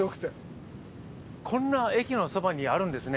こんな駅のそばにあるんですね。